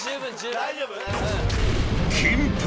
大丈夫？